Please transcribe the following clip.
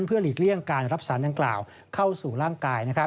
เพื่อหลีกเลี่ยงการรับสารดังกล่าวเข้าสู่ร่างกาย